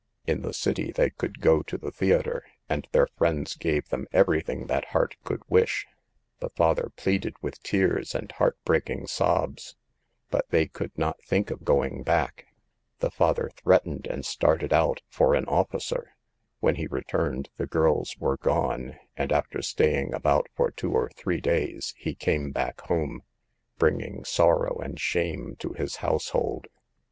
In the city they could go to the theater, and their friends gave them everything that heart could wish. The father pleaded with tears and heart breaking sobs, but they could not think of going back. The father threatened and started out for an officer. When he returned, the girls were gone, and after staying about for two or three days, he came back home, bringing sorrow and shame to his household.